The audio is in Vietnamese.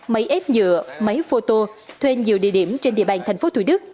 máy ép nhựa máy photo thuê nhiều địa điểm trên địa bàn thành phố thủy đức